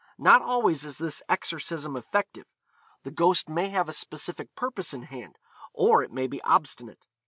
Not always is this exorcism effective; the ghost may have a specific purpose in hand, or it may be obstinate.